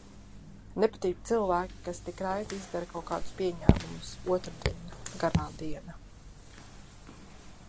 Nepatīk cilvēki, kas tik raiti izdara kaut kādus pieņēmumus. Otrdiena. Garā diena.